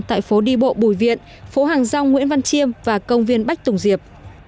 tại phố đi bộ bùi viện phố hàng rong nguyễn văn chiêm và công viên bách tùng diệp